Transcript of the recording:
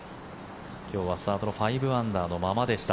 今日はスタートの５アンダーのままでした。